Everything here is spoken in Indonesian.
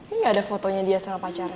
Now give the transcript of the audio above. ini gak ada fotonya dia sama pacarnya